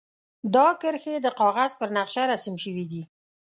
دا کرښې د کاغذ پر نقشه رسم شوي دي.